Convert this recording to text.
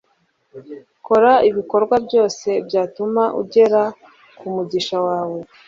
kora ibikorwa byose byatuma ugera kumugisha wawe